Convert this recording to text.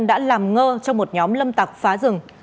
đã làm ngơ trong một nhóm lâm tạc phá rừng